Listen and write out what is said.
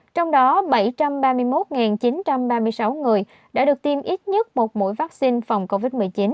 trong đó bảy trăm ba mươi một chín trăm ba mươi sáu người đã được tiêm ít nhất một mũi vaccine phòng covid một mươi chín